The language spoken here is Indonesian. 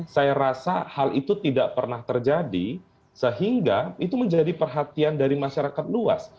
saya rasa hal itu tidak pernah terjadi sehingga itu menjadi perhatian dari masyarakat luas